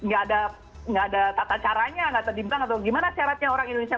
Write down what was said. gak ada tata caranya gak terdimpang atau gimana syaratnya orang indonesia